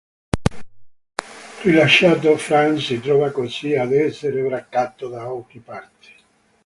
Rilasciato, Frank si trova così ad essere braccato da ogni parte.